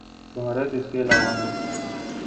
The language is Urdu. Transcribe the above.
بھارت اس کے علاوہ ہے۔